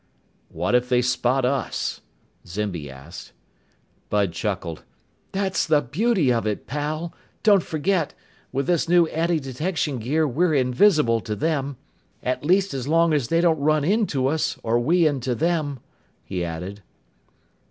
"What if they spot us?" Zimby asked. Bud chuckled. "That's the beauty of it, pal! Don't forget. With this new antidetection gear we're invisible to them. At least as long as they don't run into us or we into them," he added.